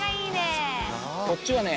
こっちはね。